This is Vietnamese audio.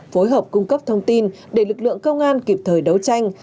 phối hợp cung cấp thông tin để lực lượng công an kịp thời đấu tranh